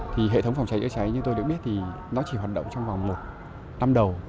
thì hệ thống phòng cháy chữa cháy như tôi được biết thì nó chỉ hoạt động trong vòng một năm đầu